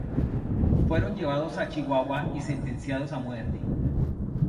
Fueron llevados a Chihuahua y sentenciados a muerte.